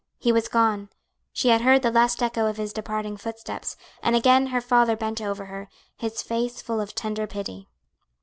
He was gone, she had heard the last echo of his departing footsteps, and again her father bent over her, his face full of tender pity.